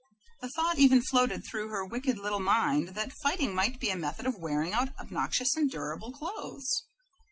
The thought even floated through her wicked little mind that fighting might be a method of wearing out obnoxious and durable clothes.